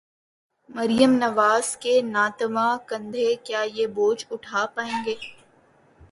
مریم نواز کے ناتواں کندھے، کیا یہ بوجھ اٹھا پائیں گے؟